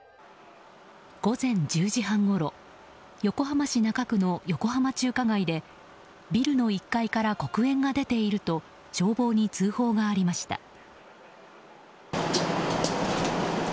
午前１０時半ごろ横浜市中区の横浜中華街でビルの１階から黒煙が出ていると消防に通報がありました。